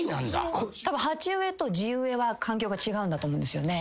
たぶん鉢植えと地植えは環境が違うんだと思うんですよね。